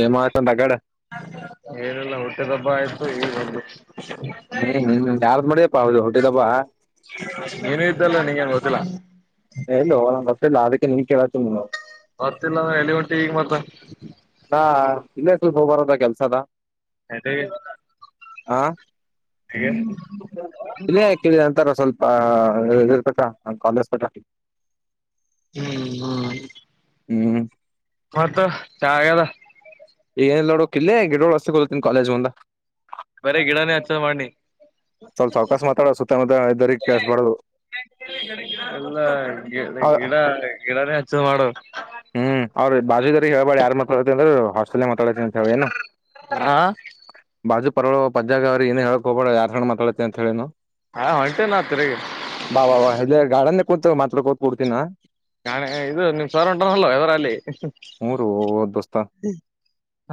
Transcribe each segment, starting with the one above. ಏಮತಂದ ಅಗಡ ಏನಲ್ಲ ಹುಟ್ಟಿದ ಹಬ್ಬ ಆಯ್ತು ಈಗ ಒ ಹ್ಮ್ ಹ್ಮ್ ಯಾರ್ದ್ ಮಾಡ್ಯಪ್ಪಾ ಅವದು ಹೊಟ್ಟಿದಬಾ ನೀನು ಇದ್ದಲ್ಲ ನೀಂಗ ಏನ್ ಗೊತ್ತಿಲ್ಲ ಏನು ಬಸ್ ಇಲ್ಲ ಅದಕ್ಕೆ ನೀ ಕೇಳಾತ ಮತ್ತಿಲ್ಲ ನ ಎಲಿ ಹೊಂಟಿ ಈಗ ಮತ್ತ ಹಾ ಇಲ್ಲೇ ಸ್ವಲ್ಪ ಹೋಗ್ ಬರದ ಕೆಲ್ಸದ [unintelligible] ಹಾಾ ಕೇಳಿದ ಅಂತರ ಸ್ವಲ್ಪ ಅ ಕಾಲೇಜ್ ಪಠಿ ಹ್ಮ್ ಹ್ಮ್ ಹ್ಮ್ ಮತ್ತ ಚಾಗದ ಏನಲ್ಲ ನೋಡೋ ಕ ಇಿಲ್ಲೇ ಗಿಡೋ ರಸ್ತೆ ಕೊ ಹಲತನ್ ಕಾಲೇಜ್ ಮುಂದ ಬರೇ ಗಿಡನೇ ಹಚ್ಚ ಮಾಡನಿ ಸ್ವಲ್ಪ ಚೌಕಾಸ ಮಾತಾಡೋ ಸುತ್ತಮುತ್ತ ಇದರಿ ಕಲಸ್ ಬದು ಎಲ್ಲ ಗಿಡ ಗಿಡ ಗಿಡನೇ ಹಚ್ಚದ ಮಾಡು ಹ್ಮ್ ಅವ್ರ ಬಾಜುದಾರಿ ಹಳ್ ಬ ಯಾರ ಮ ಅಂದ್ರೆ ಮತಡಏನು ಹಾ ಬಾಜು ಪರಳ ಪಜ್ಜಾಗ ಅವ್ ಏನು ಹೇಳಕ್ ಹಬಡ ಯಾರ್ಣ್ಣ ಮಾತಾಡತ್ತತಿ ಅಂತ ಹೇಳೇನು ಹಾ ಹೊಂಟೇನಾ ತಿರುಗಿ ವಾ ವ ವ ಹೆಲ್ಲ ಗಾಡ ನ ಕೊತ ಮತ್ಕ ಪಡ್ತಿ ನ ನಾನೆ ಇದು ನಿವು ಸರ್ ಉಂಟಾರಲ್ಲವ ಇದರ ಅಲ್ಲಿ ಹ್ಮ್ ರೋ ದೋಸ್ತ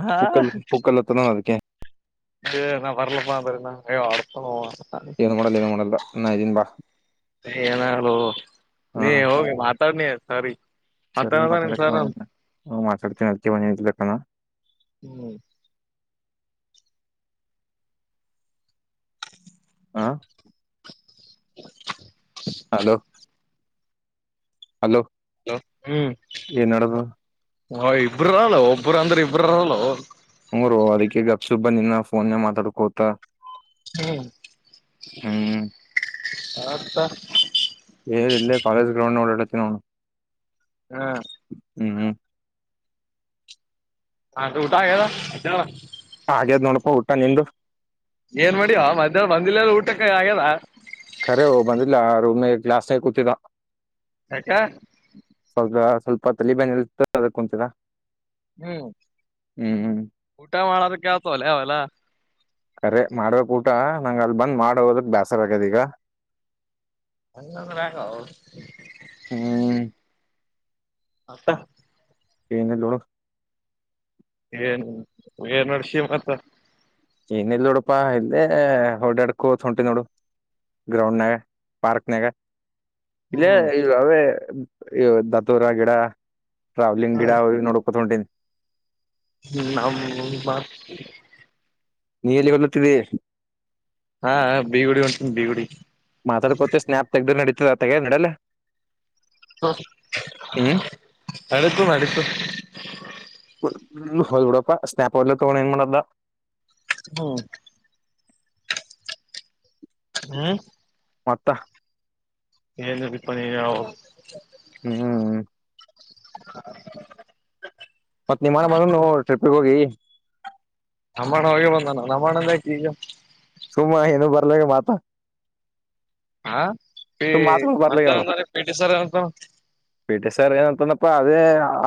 ಹಾ ಪುಕ್ಕಲ್ ಪುಕ್ಕಲ್ಲತ್ತದ ಅದಕ್ಕೆ ಇ ನಾ ಬರಲಪ್ಪ ಅಂತ ಏ ಅಥ ಏನು ಮಾಡೋಡಲ್ಲ ಏನು ಮಾಡೋಡಲ್ಲ ನ ಇದೀನ್ ಬಾ ಏನಾಗ್ ಹಾ ನೀ ಹೋಗಿ ಮಾತಾಡ್ನಿ ಸಾರಿ ಸರಿ ಮತ್ತೇನದ ನಿಮ್ ಮಾತಾಡ್ ಸರ್ ಮಾತಾಡ್ತೀನ ಅವಣ ಹ್ಮ್ ಹಾ [inaudible] ಹಲೋ ಹಲೋ ಹ್ಮ್ ಏನ್ಡದು ಹ ಇಬ್ರರು ರಲ್ ಒಬ್ಬರು ಅಂದ್ರ ಇಬ್ರ ರ ಹ ರೋ ಅದಕ್ಕೆ ಗಪ್ಸುಬ್ಬ ನಿನ್ನ ಫೋನ್ ಮಾತಾಡ್ ಕೋತಾ ಹ್ಮ್ ಹ್ಮ್ ಆತ ಏರ್ ಇಲ್ಲೇ ಕಾಲೇಜ್ ಗ್ರೌಂಡ್ ಓಡಾಡತೀನ ಅವನು ಹಾ ಹ್ಮ್ ಹ್ಮ್ ಹದು ಊಟ ಆಗದಲ್ಲ ಹಾಗೇದ್ ನೋಡಪಾ ಊಟ ನಿ್ದ ಏನ್ ಮಾಡಿಯಿವ ಮಧ್ಯಾಹ್ ಬಂದಿಲ್ಲಲ್ಲ ಊಟಕ್ಕ ಆಗ್ಯಲ್ಲ ಖರೆ ಹೋಗ ಬಂದಿಲ್ಲ ರೂಮ್ ಗ್ಲಾಸ್ನ ಕೂತಿದ್ದ ಆಕ ಸ್ವಲ್ಪ ಸ್ವಲ್ಪ ತಲಿಬನಲಿ ಇ ಅದ ಕುಂಂತರಾ ಹ್ಮ್ ಊಟಾ ಮಾಡಳ ತ ಕತಲ್ಲಯ ಅಲ್ಲ ಕಖರೆ ಮಾಡ್ಬೇಕಕ್ ಊಟ ನಂಗ ಅಲ್ ಬಂದ್ ಮಾಡ ಹೋದಕ್ ಬೇಸರ ಆಗ್ಯದ ಈಗ ಅಲ್ಲಾಗ ಹ್ಮ್ ಹತ್ತಾ ಏಿಂದ ಲೋಳ ಏನ್ ಏನ್ ಅಡ್ಷಿ ಮಾತ್ರ ಏನ ಇಲ್ ನೋಡಪಾ ಇಲ್ಲದೆೇ ಹೊರ್ಡ್ಯಾಡ್ಕೋ ಉಂಟಿ ನೋಡು ಗ್ರೌಂಡ್ ನಗ ಪಾರ್ಕ್ ನಗ ಇಲ್ಲ ಹ್ಮ್ ಅವೇ ಇ ದತ್ತೋರ ಗಿಡ ಟಾವ್ಲಿಂಗ ಗಿಡ ನೋಕೋತ ಹೊಂಟಿ ್ಮ ನಮ್ಮ ಬಸ್ ನೀ ಎಲ್ಲಿ ಬಲ್ಲತ್ತಿದ್ದಿ ಹಾ ಬೀಗುಡಿ ಉಂಟ ಬೀಗುಡಿ ಮಾತಾಡ್ಕೊತವಿ ಸ್ನ್ಯಾಪ್ ತೆಗ್ದ ನಡೀತದ ತಗ ನಡಲ್ಲ ಹ್ಮ್ ಅಡುಕ್ಕು ಅಕ್ಕು ಹ ಇವಡಪ್ಪ ಸ್ನಾಪ್ ವಲ್ಲ ತೋಣ ಏನು ಮಾಡಲ್ಲ ಹ್ಮ ಹ್ಮ್ ಮತ್ತ ಏನು ಬಿಪ್ಪ ನೀರ ಹ್ಮ್್ಮ ಮತ್ತ್ತತ್ ನಿಮ್ಮನ ಬಂದನು ಟ್ರಿಪ್ಿಗೆ ಹೋಗಿ ನಮ್ಮಣ ಹೋಗಿ ಬಂದಣ ನಮ್ಮಣ ಎಂದ ಈಗ ತುಮ್ಮ ಏನು ಬರ್ಲಕ್ಕ ಮಾತಾ ಹಾ ಮತ್ತ ಪೇಟ ಸರಂತ ಪೀಟೆ ಸರ್ ಏನಂತ ಅಪ್ಪಾ ಅದೇ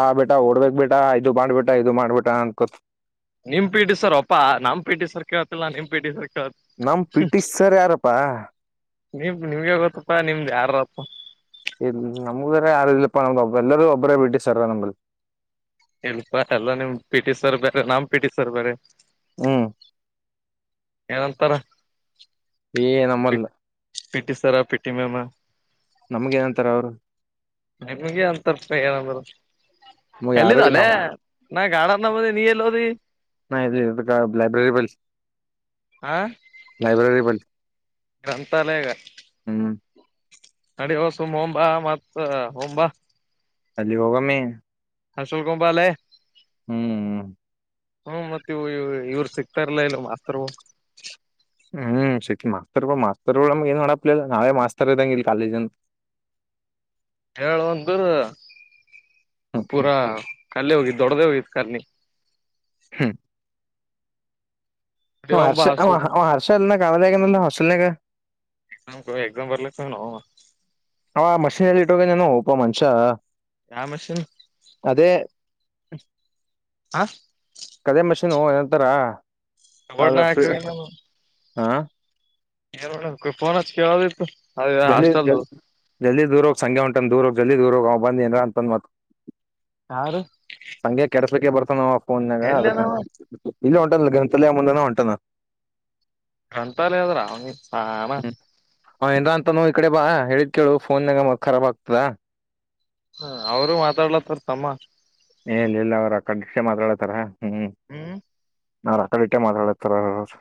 ಆ ಬೇಟಾ ಓಡ್ಬೇಕಕ್ ಬ ಬಿಟಾ ಇಐದು ಮಾಡ್ಬಿಟಾ ಇದು ಮಾಡ್ಬಿಟ ಅನ್ಕೊತ್ ನಿಮ್ ಪೀಟಿ ಸರ್ ಒಪ್ಪಾ ನಮ್ ಪೀಟಿ ಸರ್ ಕೇಳ್ತ್ತಲ್ಲ ನಿಮ್ ಪಿಟಿ ಸರ್ ಕೇಳತ್ ನಮ ಪಿಟಿಷ್ ಸರ್ ಯಾರಪ್ಪಾ ನಿಮ ನಿಮ್ಗೆ ಗೊತ್ತಪ್ಪಾ ನಿಮ್ದ್ ಯಾರಪ್ಪ ಇಲ್ಲ ನಮಗರ ಯಾರು ಇಲ್ಲಪ್ಪ ನಮ್ದಬ್ ಎಲ್ಲರೂ ಒಬ್ಬರೇ ಬಿಟ್ಟ ಸಾರ ನಮ್ಮಲ್ಲಿ ಇಲ್ಪ ಎಲ್ಲ ನಿಮ್ ಪಿ ಟಿ ಸರ್ ಬೇರೆ ನಾಮ್ ಪಿ ಟಿ ಸರ್ ಬೇರೆ ಹ್ಮ್ ಏನಂತಾರ ಏ ನಮ್ಮಲ್ಲ ಪಟ್ಟಿಸ್ಾರಾ ಪಟ್ಟಿ ಮೇಾಮ ನಮ್ಗೆ ಏನಂತಾರ ಅವರು ನಿಮ್ಗೆ ಅಂತಪ್ಪ ಏನರು ನಮ್ಗ್ ಯಾರು ಇಲ್ಲ ಎಲ್ಲಿದ್ದಾಲೆ ನ ಗಾರ್ಡನ್ ಬನ್ನಿ ನೀ ಎಲ್ಲ ಹೊದು ನ ಇಲ್ಲಿ ಲೈಬ್ರರಿ ಬ ಲೈಬ್ರರಿ ಬಂದಿಲ್ಲ ಗ್ರಂಥಾಲಯ ನಡಿ ಸುಮ ಹೊಂಬಾಮತ್ತ ಹೊಂಬಾ ಅಲ್ಲಿ ಹೋಗ ಮಮಿ ಹಸುಲ್ಕಂಬ ಬಲೆ ಹ್ಮ್ ಹ್ಮ್ ಹ್ಮ ಮತ್ತೆ ಇ ಇವರು ಸಿಕ್ತಾರಲಾ ಇಲ್ಲ ಮಾಸ್ತ್ರು ಹ್ಮ್ ಶಕ್ ಮಾಸ್ತರ್ಗಳು ಮಾಸ್ತರ್ಗಳು ಏನ್ ಮಾಡಪ್ಲಿಲ್ಲ ನಾವೇ ಮಾಸ್ತರ್ ಇದ್ದಂಗ ಇಲ್ಲಿ ಕಾಲೇಜ ಅ ಹೇಳು ಒಂದು ಪೂರಾ ಕಲ್ಲೆ ಹೋಗ ದೊಡ್ಡದೆ ಹೋಗ ಕರ್ನಿ ನಡಿ ಆ ಹೋಗಮ್ ಹರ್ಷ ಬಾ ಹಾಸ್ಟೆಲ್ ಹರ್ಷ ಅಲ್ಲ ಕಾವದ ಹ ಹೊಸ್ಟಲ್ನಗ ಎ ಎಕ್ಸಾಮ್ ಬಾರಲ ನನು ಆ ಮಷೀನ್ಲ್ಲಿ ಇಟ್ಟೋಗ ನಾನೋ ಹಪ ಮಂಶ ಯ ಮಷೀನ್ ಹ ಕದೇ ಮಷನು ಏನಂತಾರ ಬೋರ್ಡ್ನ ಹಾಕ ಅದುಪ್ರಿ ಹಾ ಯಾರ ಫೋನ್ ಹಚ್ಚಿ ಕೆಳದಿತ್ತು ಜಲ್ಿ ಜ ಜಲ್ದಿ ದೂರ ಹೋಗಿ ಸಂಗ್ಯಾಹೊಂಟಾನ ದೂರ ಹೋಗ ಜಲ್್ಊರ ಬಂದ ಏನರ ಅಂತಂದ ಮತ್ ಯಾರ ಬರ್ತಾನ ಆ ಫೋನ್ಾಗ ಅದಕ ಎಲ್ಲನವ ಇಲ್ಲ ಹೊಂಟನ್ ಗ್ರಂಥಾಲಯ ಮುಂದನ ಹೊಂಟಾನ ಗ್ರಂಥಾಲಯ ಅದ್ರ ಅವ ಹಾನ ಹ ಇನ್್ರಾ ಅಂತಾನ ಈ ಕಡೆ ಬಾ ಹೇಳಿದ್ ಕೇಳು ಫೋನ್ ನಾಗ ಖರಬ್ ಆಗ್ತದ ಹ ಅವರುೂ ಮಾತಾಡ್ಲತ್ತರ್ ತಮ್ಮ ಏಲ್ಲಿ ಇಿಲ್ಲ ಅವ್ರ ಕಂಡಕ್ಷ ಮಾತಾಡತಾರ ಹ್ಮ್ ನಾ ರಾಕಡೆ ಇಟ್ಟೆ ಮಾತಾಡತಾರ ಅವರು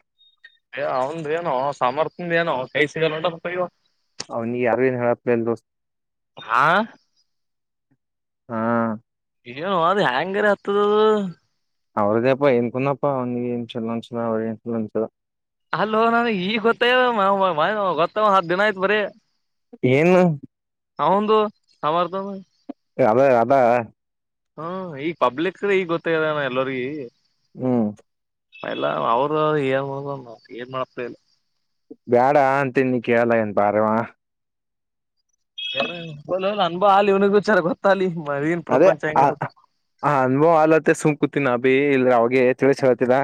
ಅಯ ಅವಂದ ಏನೋ ಸಾಮರ್ಥ್ ಏನೋ ಕೈ ಸಿಗಲ್ಲಂಟ ಅವನಿಗೆ ಯಾರು ಏನ್ ಹೇಳಪ್ ಇಲ್ಲ ದೋಸ್ತ್ ಹಾ ಹಾ ನು ಅದು ಹೆ್ಯಾಂಗರಿ ಹತ್ತದ ಅದು ಅವ್ರದೇ ಅಪ್ಪ ಎಏನುಕಂದಪ್ಪ ಒಂದು ಇನ್ಶೂರೆನ್ಸ್ ಅವ ಇನ್ಶೂರೆನ್ಸ್ ಅಲ್ಲ ನನ್ ಈಗ ಗೊತ್ತ ಗೊತ್ತ ಹಾ ಹಾ ಹತ್ ದಿನ ಆಯ್ತ್ ಬರಿೀ ಏನು ಅವಂದು ಸಮರ್ಥದು ಅದೇ ಅದಾ ಹಾ ಈಗ ಪಬ್ಲಿಕ್್ರ ಈಗ ಗೊತ್ತಾಗದಾನ ಎಲ್ಲರಿಗ ಹ್ಮ್ ಎಲ್ಲ ಅವರು ಏ ಏನ್ ಮಾಡಪ್ಪಾ ಇಲ್ಲ ಬ್ಯಾಡ ಅಂತನ್ನಿ ಕೇಳಲ್ಲ ಏನ್ ಬರವ ಏ ಅನ್ಬಾ ಅಲಿ ಇವನಿಗಾ ವಿಚಾರ ಗೊತ್ತಾಲಲಿ ಅದೇ ಆ ಅನುಭವ ಅಲತ್ತ ಸುಂಕುತೀ ನ ಬಿ ಇಲ್ರ ಅವಗೆ ತಿಳ್ಸಿಹೇಳ್ತೀರಾ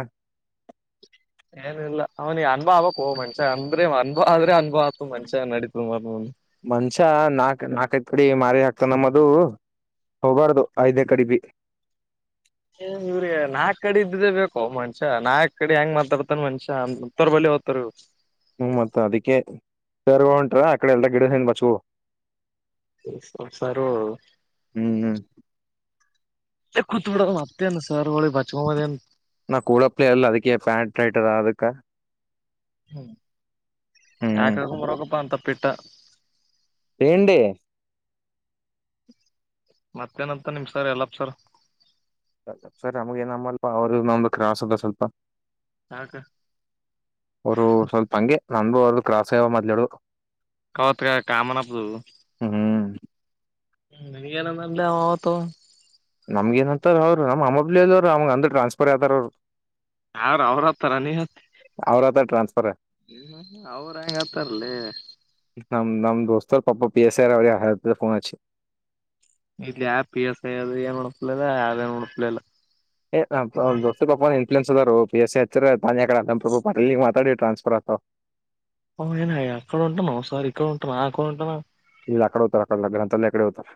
ಏನಿಲ್ಲ ಅವ್ನ ಅನ್ಬಾವಕ್ ಹೋಗ್ ಮಂಶ ಅಂದ್ರೆ ಅನ್ ಆದ್ರೆ ಾತು ಮನಷಾ ನಡತ ಮರ್ ಮನ್ಷ್ಯ ನಾಕ್ ನಾಕೈದ್ ಕಡಿ ಮಾರಿ ಹಾಕ್ತ ನಮ್ಮದು ಹೋಗಬಾರ್ದು ಐದೇ ಕಡಿ ಬಿ ಏ ಇವ್ರಿಗೆ ನಾಲ್ಕ್ ಕಡೆ ಇದ್ದ್ದೇ ಬೇಕು ಮನುಷ ನಾಕಕ್ ಕಡೆ ಹೆಂಗ ಮಾತಾ ಬರ್ತಾನನ್ ಮನ್ಷ್ಯತ್ತರ್ ಬ [unintelligible] ಹ್ಮ್ ಮತ್ತ ಅದಿಕ್ಕೆ ತರ್ ಉಂಟ್ರ ಅಕಡೆ ಎಲ್ಲ ಗಿಡ ಹನ್ ಬಚವು. ಉಪ್ಸಾರು. ಹ್ಮ್ ಹ್ಮ್ ಕುತ್ ಬಿಡ ಮತ್ತೇನು ಸರ್ ಒಳ್. ನಾ ಕೂಡ ಪಲಲ್ಲ ಅದಕ್ಕೆ ಪ್ಯಾಂ ಟೈಟದ ಅದಕ್ಕ. ಹ್ಮ ಹ್ಮ್ ಯಾಕರೋಗಪ್ಪ ಅಂತ ಪಿಟ್ಟ. ವೇಂಡಿ. ಮತ್ತೇನಂತ ನಿಮ್ ಸರ್ ಯಲ್ಲಪ್ ಸರ್. ಸರ್ ನಮಗ ಎಮ್ಮನಲ್ಪ ಅವರು ನಮ್ದ ಕ್ರಾಸ್ ಅದ ಸ್ವಲ್ಪ. ಯಾಕ ಅವರು ಸ್ವಲ್ಪ ಹಂಗೆ ನಮ್ದು ಅವ್ರದು ಕ್ರಾಸ್ ಆಯವ ಮೊದ್ಲಡುಕು. ಕವತ್ ಕ ಕಾಮನಪ್ಪದು. ಹ್ಮ್ ಹ್ಮ ನಿನೆಗೇನಲ್ಲ ಆವತ್ತ. ನಮ್ಗ ಏನಂತಾರ ಅವ್ರು ನಮ್ಮ್ಮಬ್ಲಿಲ್ ಅವರು ಅಮ್ ಟ್ರನ್ಸ್ಫರ್ ಯಾದಾರ ಅವ್ರು. ಅವ್ರ ಅವ್ರ ಹತಾರ ನೀ ಹತ್ತಿ. ಅವ್ರ ಆತ ಟ್ರಾನ್ಸ್ಫರ್ ಹ್ಮ ಅವ್ರೆ ಹೆಳ್ತರಲೆ. ನಮ್ ನಮ್ಮ್ ದೋಸ್ತ ಪಾಪ ಪಿ ಎಸ್ ರ್ ಅತ್ತ ಫೋನ್ ಅಚ್ಚಿ. ಇಲ್ಲಿ ಯ ಪಿ ಎಸ್ ಐ ಅದು ಏನ್ ನಡಿಸಸ್ಲಿಲ್ಲ ಅದಏನ್ ನೋಡಸ್ಲಿಲ್ಲ. ಏಪಾಪ ದೋಸ್ತ್ ಪಾಪ [unintelligible] ನ್ ಪಿ ಎಸ್ ಎ ಹತ್ತ ತಾನಿಡೆ ಅಲ್ಲಂಪ್ರಭು ಪಲ್ಲಿ ಮಾತಾಡಿ ಟ್ರಾನ್ಸ್ಫರ್ ಆತವು. ಏನಯ ಅಕಡ ಉಂಟನ ಸಾರಿ [unintelligible] ಇಲ್ಲಲ್ಲಿ ಅಕಡೆ ಹತಾರೆ ಅಕಡಲ್ಲ ಗ್ರಂಥಲ್ಲ ಇಕಡೆ ಹೊತಾರೆ.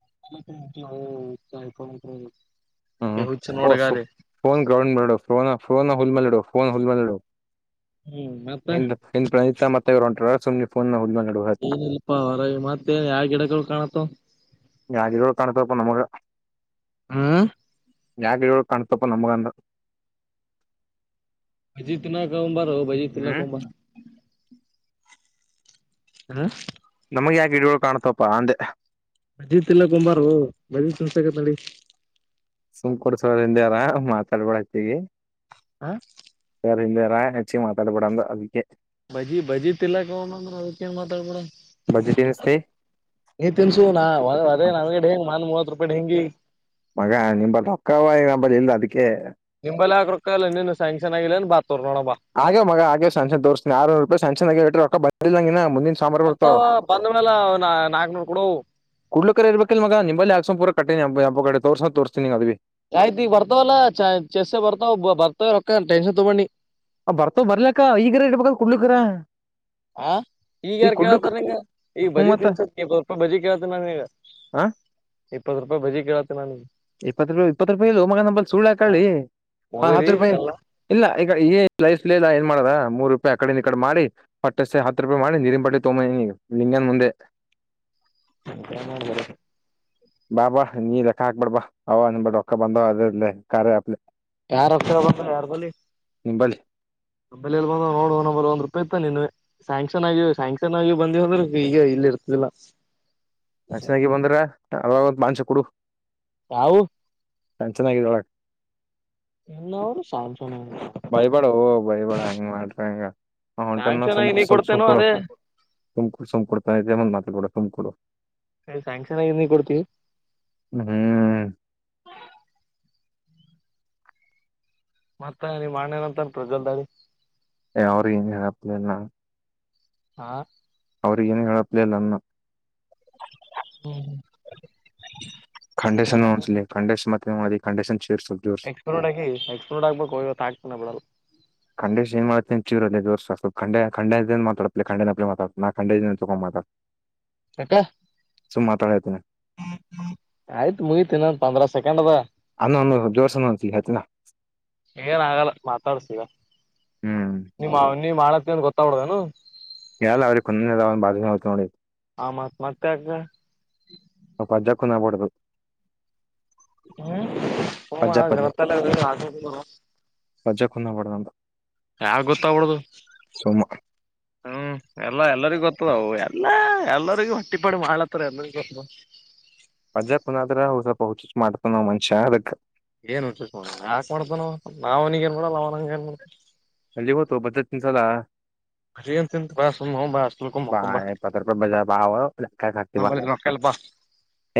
[inaudible] ಹ್ಮ್ ಹುಚ್ಚ ಫೋನ ಫೋ ನೋಡಗಾದೆ ಫೋನ ಗ್ರೌಂಡ್ ಮಾಡು ಹುಲ್ ಮೇಲಿಡು ಫೋನ್ ಹುಲ್ ಮೇಲಿಡು. ಹ್ಮ್ ಮತ್ತ [unintelligible] ಪ್ರತ್ ಮತ್ತ ಒಂಟ ಸುಮ್ನೆ ಫೋನ್ ಹಲ್. ಏನಿಲ್ಲಪ್ಪಾ ಹೊರ ಮತ್ತೇನ್ ಯಾವ ಗಿಡಗಳು ಕಾಣತ್ತ. ಯಾಗ ತಾಣುತ್ತಪ್ಪ ನಮಗ. ಹ್ಮ [unintelligible] ಕ ಕಣುತ್ತಪ್ಪ ನಮಗೋಂದ. ಬಜ್ಜಿ ತಿನ್ನಕೋಂಬಾರೂ ಬಜ್ಜಿ ತಿನಕ್ ಕಂಬಾರೋ. ಹ್ಮ ನಮಗೆ ಯಾಕೆ ಗಿಡಗಳು ಕಾಣ್ತಪ್ಪಾ ಅಂದೆ. ಮಜಿತ್ ಎಲ್ಲ ಕುಂಬಾರೋ ಮಜಿ [unintelligible] ನಡಿ. ಸುಮಕೂಡ್ ಸರ್ ಹಿಂದೆರ ಮಾತಾಡ್ಬಳತಿ ಹ ಸರ್ ಹಿಂದೆರ. [unintelligible] ಹೆಚ್ಚಿ ಮಾತಾಡಬಾರಡ ಅಂದೆ ಅದಕ್ಕೆ. ಬಜಿ ಬಜಿ ತಿಲಾಕ ಹೋಗಣಂದ್ರ ಅದಕ್ಕೇಏನ್ ಮಾತಾಡ್ಬಿಡ ಅಂ ಬಜೆಟ್ ಏನಿಸ್ತಿ ನೀ ತಿನ್ಸು ನ ಅದೇ ನಗಡೆ ಹೆಂಗ್ ಮೊನ್ ಮೂವತ್ ರೂಪಾಯಿ ಡೆಂಗಿ. ಮಗ ನಿಂಬ ರೊಕ್ಕವ ನಂಬಲ್ಲಿ ಇಲ್ಲ ಅದಕ್ಕೆ. ಮೊಬೈಲ್ ಆಗ ರೊಕ್ಕ ಇಲ್ಲೆನು ಸ್ಯಾಂಕ್ಷನ್ ಆಗಿಲ್ಲನ್ ಬ ಅಗವ್ ಮಗ ಆಗವೆ ಸಾನ್ಶನ್ ತೋರ್ತನಿ ಆರನೂರು ರುಪಾಯಿ ಸನ್ಶನ್ ಆಗವೆ ರೊಕ್ಕ ಬಂದಲ್ಲ ನಂಗಿನ್ನ. ಬರ್ತಾವ ಬಂದ ಮೇಲೆ ನ ನಾಕ್ನೂರ್ ಕೊಡು. ಕುಡ್ಲಕರ ಇರ್ಬೇಕ ಇಲ್ ಮಗ ನಿಂಬಲ್ಲಿ ಹಾಕ್ಸ ಪೂರ ಕಟ್ಟಿಬ್ ಕಡೆ ತೋಸ ತೋರ್ಸನಿ ಅದವಿ. ಆಯ್ತಿ ಈ ಬರ್ತಾವಲ್ಲಾ ಚ ಚಸ್ಸೆ ಬರ್ತಾವ ಬರ್ತಾವ ರೊಕ್ಕ ಟೆನ್ಷನ್ ತೊಗೋಬ್ಯಡ್ ನೀ. ಆ ಬರ್ತವ ಬರ್ಲಕ್ಕ ಈಗರ ಇಡ್ಬೇಕ ಕುಡ್ಲಿಕ್ರ. ಹ ಈಗ ಯಾರ ಕೇಳತ್ತಾರ ನೀಂಗ ಈಗ ಹ್ಞೂ ಬಜಿ ಮತ್ತ ತಿನ್ಸತ್ ಇಪ್ಪತ್ತು ರೂಪಾಯಿ ಬಜಿ ಕೇಳ್ತೀ ನಂಗೆ. ಹಾ ಇಪ್ಪತ್ತು ರೂಪಾಯಿ ಬಜ್ಜಿ ಕೇಳತ್ತೆ ನಾ ನಿನಗೆ. ಇಪ್ಪತ್ತು ರೂಪಾಯಿ ಇಪ್ಪತ್ತು ರೂಪಾಯಿ ಇಲ್ ಮಗ ನಂಬಲ್ಲಿ ಸುಳ್ಳ ಯಾಕೇಳ್ಳಿ. ಹಾ ಮೊಗರಿ ಹತ್ತು ರೂಪಾಯಿ ಕಲ್ಲ ಇಲ್ಲ ಈಗ ಏ [unintelligible] ಮಾಡದ ಮೂರು ರೂಪಾಯಿ ಅಕಡಿಂದ ಈಕಡೆ ಮಾಡಿ ಪಟ್ಟಷ್ಟೆ ಹತ್ತು ರೂಪಾಯಿ ಮಾಡಿ ನೀರಿ ಬಟ್ಲೀ ತೊಬಂದಿದೀನಿ ಲಿಂಗನ್ ಮುಂದೆ. [inaudible] ಬಾ ಬಾ ನೀ ಲೆಕ್ಕ ಹಾಕ್ಬೇಡ್ಬಾ ಅವ ನಿನ್ಬಟ್ಟ ಒಕ್ಕ ಬಂದವ ಅದ ಇ ಕಾರ ಅಪ್ ಯಾರ ಹತರ ಬ ಯಾರ ಬಲಿ ನಿಂಬಳಿ ಲ್ಲಿ ಬಂದ ನೋಡುವ ನರ್ ಒಂದ್ ರೂಪಾಯಿ ಇತ್ತ ನೀವ ಶ್ಯಾಂಕ್ಷನ್ ಆಗಿ ಶ್ಯಾಂಕ್ಷನ್ ಆಗಿ ಬೀವ ಅಂದ್ರ ಈಗ ಇ ಇತದಲ್ಲ ಅ ಚೆನ್ನಾಗಿ ಬಂದ್ರ ಅಲ್ ಒಂತ ಮಾಂಸ ಕೊಡು ಯವು ನ್ ಚೆನ್ನಾಗಿದ ಒಳ ಇನ್ನ ಅವರು ಸಲ್ ಬೈಬೇಡ ಓ ಬೈಬೇಳ ಹೆಂಗ್ ಮಾಡ್ರಿ ಹಂಗ ಆ ಹೊಂಟೆಲ್ ನ ಸ್ಯಾಂಕ್ಷನ್ ಸುಮ ಆಗಿ ನೀ ಸ್ವಲ್ಪ ಕೊಡ್ತೇನೋ ಸುಕಳ ಅದೇ ಸಂಕುಳ ಸಂಕೂಳತಮ್ ಮಾತ ಕೊಡ ಸಂಕೂಳ ಸ ಸ್ಯಾಂಕ್ಷನ್ ನೀ ಕೊಡ್ತೀವಿ ಹ್ಮ್ ಮತ್ತ ನೀ ಮಣ್ಣೇನ ಅಂತನ್ ಪ್ರಜಲ್ದಡಿ ಯ್ರ ಏನು ಹಪ್ಲಲ್ಲ ಹ ಅವ್ರಿಗಏನು ಹೇಳಪ್ಲಲ್ಲನ್ನ ಕಂಡೀಷನ್ಸಲಿ ಡೀಷನ್ ಮತ್ತ ಕಂಡೀಷನ್ ಎಕ್ಸ್ಪರ್ ರೋಡ್ ಆಗಿ ಎಕ್ಸ್ ರೋಡ್ ಆಗ್ಬೇಕುವತ್ತು ಆಗ್ತ ಬಿಡಲ್ ಡೇಶ ನ್ ಮಾಡ್ತೇ ಚಿವರಲ್ಲವಲ್ ಡ ಡ ಮಾತಡ್ ಖಂಡಲಿ ಮಾತಾ ನಾಖಂಡ ತೊಗೊ ಹ ಅ ಆಯ್ತು ಮುಗತಿ ಇನ್ನ ಪಂದ್ರ ಸೆಕೆಂಡ್ದ ಅನ್ನ ಒಂದು ಜೋರ್ಸನ ಒಂದ್ಸಲಿ ಹೇಳ್ತಿನ ಏನ್ ಆಗಲ್ಲ ಮಾತಾಡ್ಸೀರ ಹ್ಮ್ ನೀ್ ನೀವ್ ಮಾಡತ್ತ ಅಂತ ಗೊತ್ತಾಬಡದನು ಎಲ್ಲ ಅವ್ರ ಕುಂದ್ ಬಾಷೋ ನೋಡಿ ಆ ಮತ್ ಮತ್ತೆಗ ಒ ಅಜ್ಜ ಕುಂದಬೂಡದು ಹ್ಮ್ ಹ ಪಜ್ಜ ಜನತಲ್ಲ ಆ ರಜ ಕುಂದಬಡದ ಅಂತ ಯಾವ ಗೊತ್ತಬಡ್ದು ಸುಮ್ ಹ್ಮ ಎಲ್ಲ ಎಲ್ಲರಿಗ ಗೊತ್ತದ ಎಲ್ಲಾ ಎಲ್ಲರಿಗೂ ಹೊಟ್ಟಿ ಪಡಿ ಮಾಡ್ಲತ್ತಾರ ಎಲ್ಲ ಗೊತ್ತದ ಮಜಾ ಕುನಾದ್ರ ಹ್ ಸ್ವಲ್ಪ ಹಚ ಮಾಡ್ತ ನಾ್ ಮನ್ಷ್ಯ ಅದಕ್ ಏನ್ ಉಂ ಯಾಕ ಮಾಡತ ನ ನಾವ್ನಿಗ ಏನ್ ಮಾಡಲ್ಲ ಅವ್ನಂಗ ಏನ್ ಮಾಡಿ ಅಲ್ಲಿ ಹೋತ ಬಜಟ್ನ್ಸಲ ಅರಿಂತ ಬಾ ಬಲ್ಕೊಕೊಂಬಾ ಇಪ್ಪತ್ ರೂಪಾಯಿ ಬಜ ಬಾವ ನಲ್ ಬಾ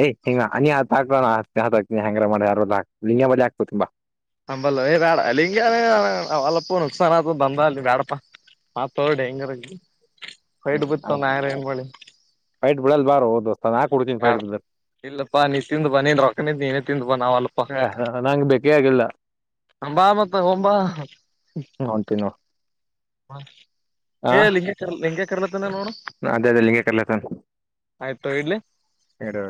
ಯ್ ಹಿಂಗ ಅ ನೀ ಹಾಕ್ತ ಹಾತಿನಿ ಹಂಗಾರ ಮಾಡ ಯಾರ ಹನ್ ಬಳಿ ಆಕ್ತ ತುಂಬಾ ಅಂಬಲ್ಲ ಬೇಡ ಅಲ್ಲಿಂಗಗೆ ವಲಪ್ಪ ನುಕ್ಸಾನ ಆ ಬಂದ ಅ ಬೇಡಪ್ಪ ಆತ್ಡಿ ಹೆಂಗರ ಫೈಡ್ ಬಿತ್ತವ ಆಯಾರ ಏನ್ ಮಾಡಿ ಫೈಟ್ ಬಿಡಲ್ ಬಾರು ದೋಸ್ತ ನಾ ಕೊಡ್ತೀ ಯಾರ ಫೈಟ್ ಬ ಬಿಲ್ ಇಲ್ಲಪ್ಪಾ ನೀ ತಿಂದು ಬನ್ನಿನ್ ರೊಕ್ಕನಿದ್ದ ನೀನೇ ತಿಂದು ಬನ್ನ ಅವಲ್ಲಪ್ಪಾ ನಂಗ್ ಬೇಕೇ ಆಗಿಲ್ಲ ಬಾ ಮತ್ತ ಒಂಬ ಹೊಂಟಿನ್ ನೋಡ್ ಆ ಏ ಲಿಂಗೇಶ್ ಲಿಂಗೇಶ್ ನೋಣ ಅದೇ ಅದೇ ಲಿಂಗೆ ಕರ್ಲತನ್ ಇಡು ಆಯ್ತ್ಡ್ ಇಡು